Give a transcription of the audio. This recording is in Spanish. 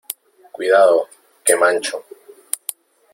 cuidado , que mancho .